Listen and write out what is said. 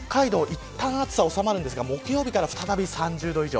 いったん暑さは収まるんですが木曜日から再び３０度以上。